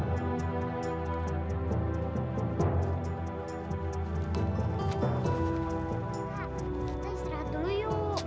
kita istirahat dulu yuk